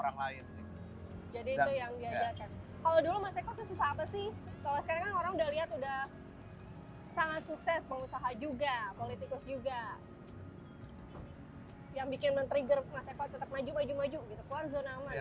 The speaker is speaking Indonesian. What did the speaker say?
yang bikin men trigger mas eko tetap maju maju keluar zona aman